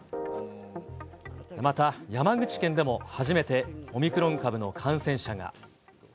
また山口県でも初めてオミクロン株の感染者が。